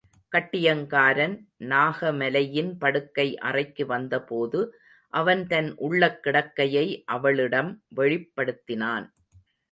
கட்டியங்காரன் நாகமாலையின் படுக்கை அறைக்கு வந்தபோது அவன் தன் உள்ளக் கிடக்கையை அவளிடம் வெளிப்படுத்தினான்.